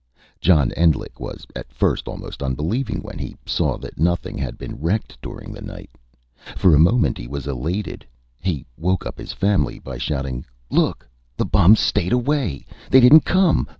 John Endlich was at first almost unbelieving when he saw that nothing had been wrecked during the night. For a moment he was elated. He woke up his family by shouting: "Look! The bums stayed away! They didn't come!